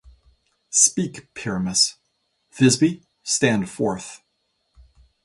Speak, Pyramus. Thisby, stand forth.